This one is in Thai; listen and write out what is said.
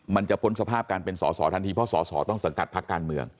มันจะพ้นสภาพการเป็นสอสอทันทีเพราะสอสอต้องสังกัดพักการเมือง